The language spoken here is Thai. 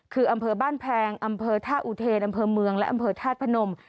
คืออำเภอบ้านแพงอำเภอท่าอุเทนอำเภอเมืองและอำเภอธาตุพนม